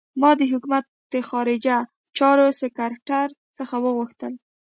ما د حکومت خارجه چارو سکرټر څخه وغوښتل.